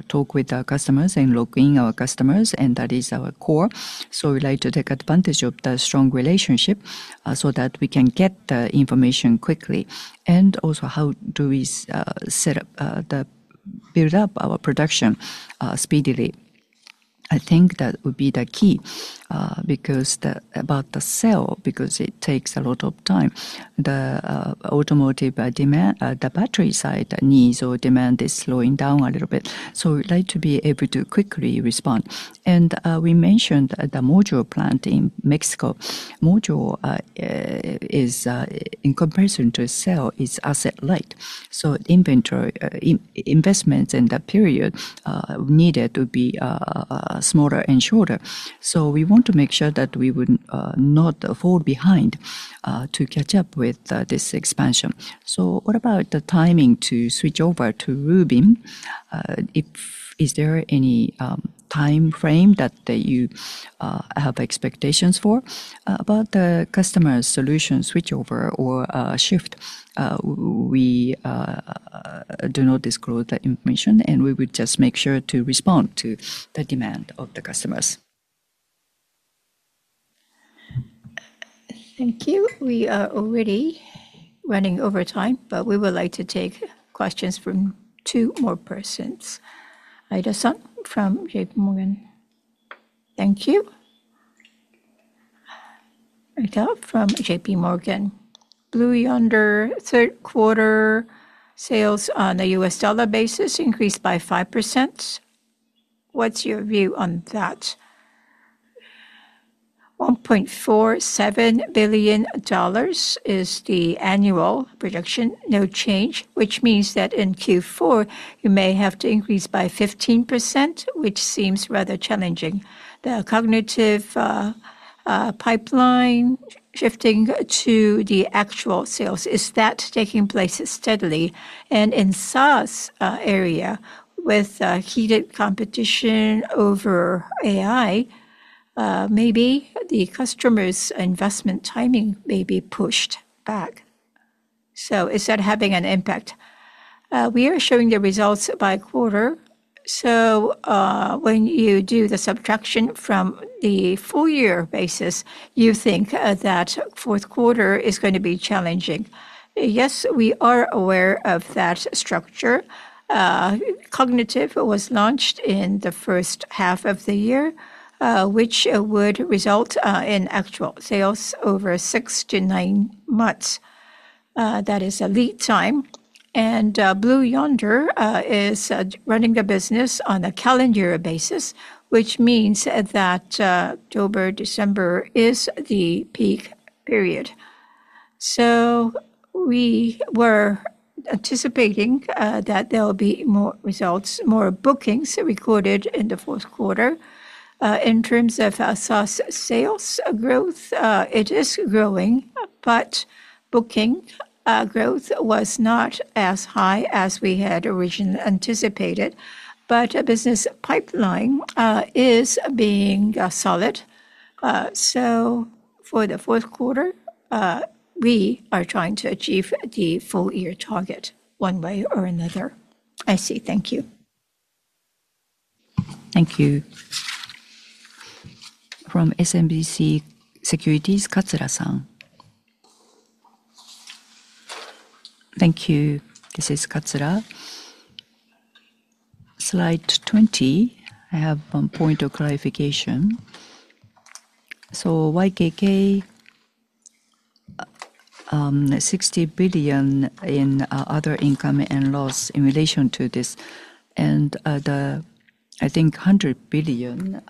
talk with our customers and lock in our customers, and that is our core. So we'd like to take advantage of the strong relationship so that we can get the information quickly, and also how do we set up, build up our production speedily. I think that would be the key because the... About the sale, because it takes a lot of time. The automotive demand, the battery side needs or demand is slowing down a little bit, so we'd like to be able to quickly respond. And we mentioned the module plant in Mexico. Module is, in comparison to a cell, is asset light. So inventory investments in that period needed to be smaller and shorter. So we want to make sure that we would not fall behind, to catch up with this expansion. What about the timing to switch over to Rubin? Is there any time frame that you have expectations for about the customer solution switchover or shift? We do not disclose that information, and we would just make sure to respond to the demand of the customers. Thank you. We are already running over time, but we would like to take questions from two more persons. Ayada-san from J.P. Morgan. Thank you. Ayada from J.P. Morgan. Blue Yonder third quarter sales on a U.S. dollar basis increased by 5%. What's your view on that? $1.47 billion is the annual prediction, no change, which means that in Q4, you may have to increase by 15%, which seems rather challenging. The Cognitive, pipeline shifting to the actual sales, is that taking place steadily? And in SaaS, area, with, heated competition over AI, maybe the customer's investment timing may be pushed back. So is that having an impact? We are showing the results by quarter. So, when you do the subtraction from the full year basis, you think that fourth quarter is going to be challenging. Yes, we are aware of that structure. Cognitive was launched in the first half of the year, which would result in actual sales over six to nine months. That is a lead time. And Blue Yonder is running the business on a calendar year basis, which means that October-December is the peak.... period. So we were anticipating that there will be more results, more bookings recorded in the fourth quarter. In terms of SaaS sales growth, it is growing, but booking growth was not as high as we had originally anticipated. But our business pipeline is being solid. So for the fourth quarter, we are trying to achieve the full year target one way or another. I see. Thank you. Thank you. From SMBC Securities, Katsura-san. Thank you. This is Katsura. Slide 20, I have one point of clarification. So YKK, sixty billion in other income and loss in relation to this, and the, I think, hundred billion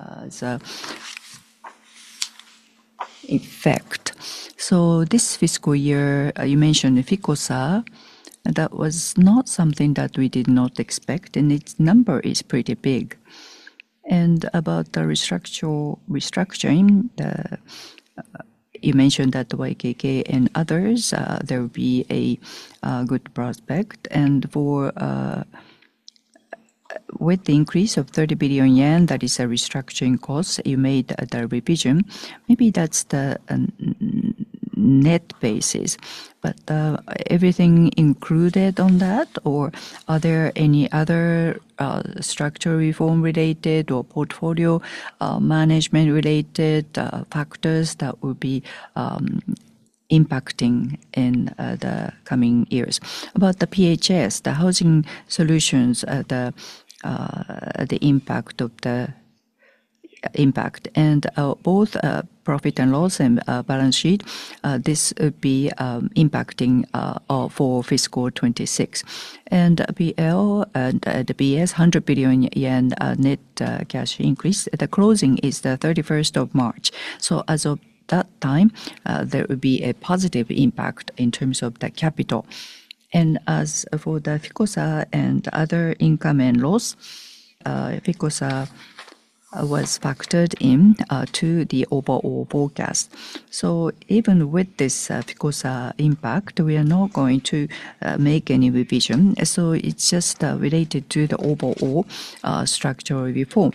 is effect. So this fiscal year, you mentioned Ficosa. That was not something that we did not expect, and its number is pretty big. And about the structural restructuring, you mentioned that YKK and others, there will be a good prospect. And for, with the increase of 30 billion yen, that is a restructuring cost you made at the revision. Maybe that's the net basis, but everything included on that, or are there any other structural reform related or portfolio management related factors that will be impacting in the coming years? About the PHS, the housing solutions, the impact of the impact and both profit and loss and balance sheet, this will be impacting for fiscal 2026. P&L and the BS, 100 billion yen net cash increase, the closing is the thirty-first of March. So as of that time, there will be a positive impact in terms of the capital. As for the Ficosa and other income and loss, Ficosa was factored in to the overall forecast. So even with this Ficosa impact, we are not going to make any revision, so it's just related to the overall structural reform.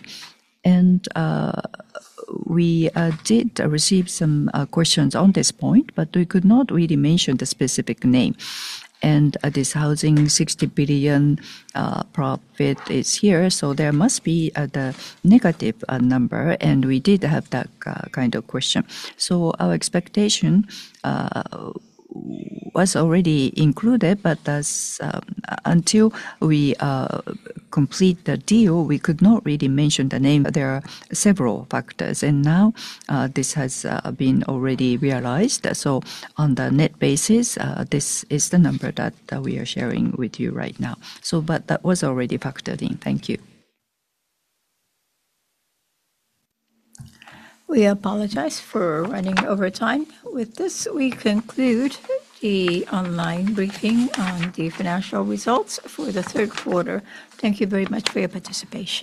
We did receive some questions on this point, but we could not really mention the specific name. This housing 60 billion profit is here, so there must be the negative number, and we did have that kind of question. So our expectation was already included, but until we complete the deal, we could not really mention the name. But there are several factors, and now this has been already realized. So on the net basis, this is the number that we are sharing with you right now. So but that was already factored in. Thank you. We apologize for running over time. With this, we conclude the online briefing on the financial results for the third quarter. Thank you very much for your participation.